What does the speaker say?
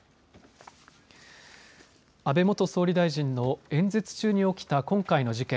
安倍元総理大臣の演説中に起きた今回の事件